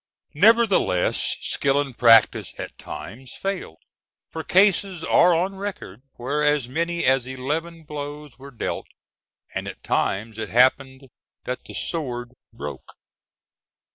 Nevertheless, skill and practice at times failed, for cases are on record where as many as eleven blows were dealt, and at times it happened that the sword broke.